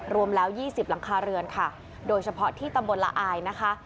รวมแล้วยี่สิบหลังคาเรือนค่ะโดยเฉพาะที่ตำบลละอายนะคะ